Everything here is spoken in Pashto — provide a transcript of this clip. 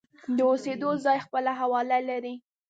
د اوسېدو ځای خپل حواله لري.